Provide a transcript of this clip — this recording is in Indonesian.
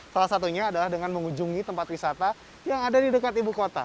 salah satunya adalah dengan mengunjungi tempat wisata yang ada di dekat ibu kota